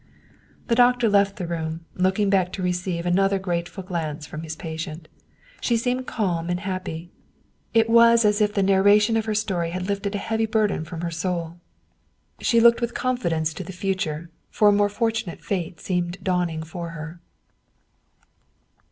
The doctor left the room, looking back to receive an other grateful glance from his patient. She seemed calm and happy. It was as if the narration of her story had in German Mystery Stories lifted a heavy weight from her soul. She looked with con fidence to the future, for a more fortunate fate seemed dawning for her.